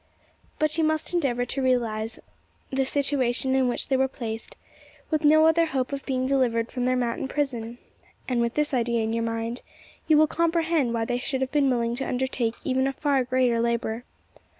But you must endeavour to realise the situation in which they were placed with no other hope of being delivered from their mountain prison and with this idea in your mind, you will comprehend why they should have been willing to undertake even a far greater labour.